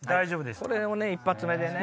これを１発目でね。